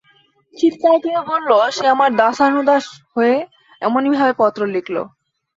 চিৎকার করে বলল, সে আমার দাসানুদাস হয়ে এমনিভাবে পত্র লিখল।